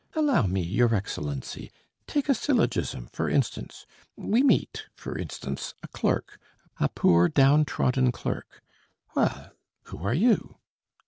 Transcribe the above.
Allow me, your Excellency; take a syllogism, for instance: we meet, for instance, a clerk, a poor, downtrodden clerk. 'Well ... who are you?'